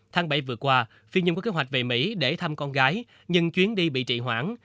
tháng bảy vừa qua phim nho có kế hoạch về mỹ để thăm con gái nhưng chuyến đi bị trị hoãn